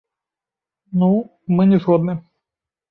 Ну, мы не згодны.